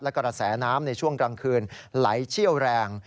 และกระแสน้ำในช่วงกลางคืนไหลเชี่ยวแรง